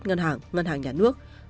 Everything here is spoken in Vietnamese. ngân hàng nhà nước